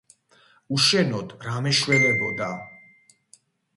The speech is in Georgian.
უშენოდ რა მეშველებოდა?